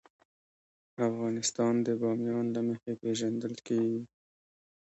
افغانستان د بامیان له مخې پېژندل کېږي.